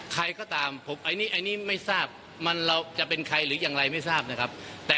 ใครก็ตามผมอันนี้ไม่ทราบมันเราจะเป็นใครหรืออย่างไรไม่ทราบนะครับ